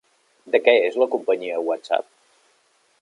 De què és la companyia WhatsApp?